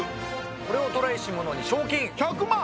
これを捕らえしものに賞金１００万！